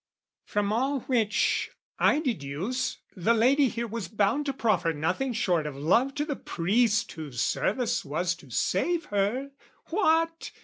From all which, I deduce the lady here Was bound to proffer nothing short of love To the priest whose service was to save her. What?